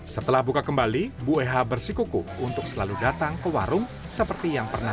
setelah buka kembali bu eha bersikuku untuk selalu datang ke warung seperti yang pernah